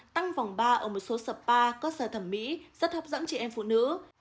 tăng vòng ba ở một số spa cơ sở thẩm mỹ rất hấp dẫn chị em phụ nữ